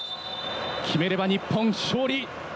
決めれば日本勝利。